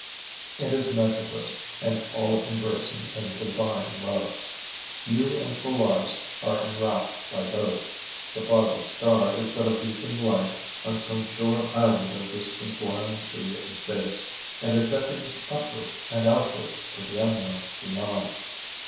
It is measureless and all embracing as Divine love. You and Polaris are enwrapped by both. The farthest star is but a beacon light on some shore island of this sublime sea of space; and it beckons upward and outward to the unknown beyond.